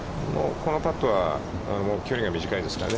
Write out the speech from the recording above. このパットは、距離が短いですからね。